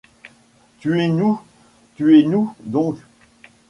Tuez-nous, tuez-nous donc !